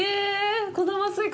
小玉スイカ